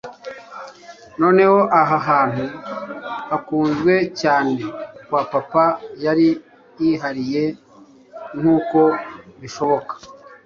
noneho aha hantu hakunzwe cyane kwa papa yari yihariye nkuko bishoboka